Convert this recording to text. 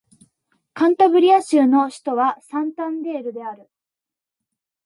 カンタブリア州の州都はサンタンデールである